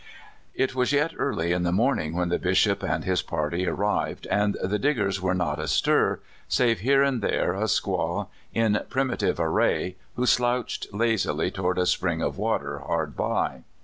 It was yet early in the morning when the Bishop and his party arrived, and the Diggers were not astir, save here and there a squaw, in primitive array, who slouched lazily toward a spring of water hard by.